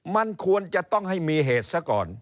มันควรจะต้องให้มีเหตุซะก่อน